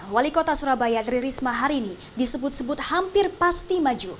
wali kota surabaya tri risma hari ini disebut sebut hampir pasti maju